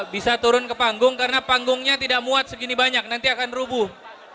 bisa turun ke panggung karena panggungnya tidak muat segini banyak nanti akan rubuh